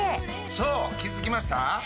そう気づきました？